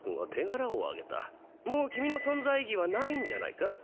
もう君の存在意義はないんじゃないか？